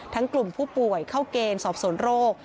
กลุ่มผู้ป่วยเข้าเกณฑ์สอบสวนโรค